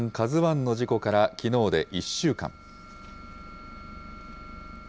ＫＡＺＵＩの事故からきのうで１週間。